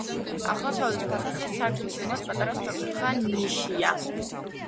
აღმოსავლეთ ფასადზე, სარკმლის ზემოთ, პატარა სწორკუთხა ნიშია.